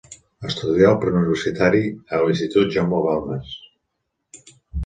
Estudià el preuniversitari a l'Institut Jaume Balmes.